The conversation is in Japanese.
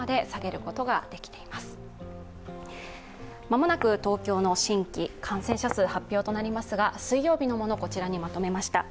間もなく東京の新規感染者数発表となりますが水曜日のものをこちらにまとめました。